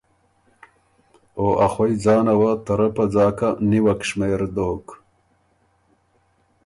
او ا خوئ ځانه وه ته رۀ په ځاکه نیوک شمېر دوک